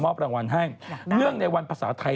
รางวัลให้เนื่องในวันภาษาไทย